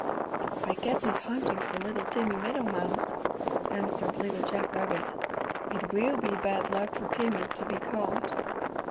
"I guess he's hunting for little Timmy Meadowmouse," answered Little Jack Rabbit. "It will be bad luck for Timmy to be caught."